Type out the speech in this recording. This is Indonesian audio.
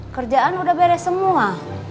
kerjaan udah beres semua